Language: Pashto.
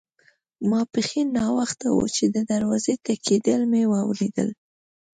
ماپښین ناوخته وو چې د دروازې ټکېدل مې واوریدل.